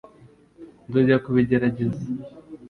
nzongera kubigerageza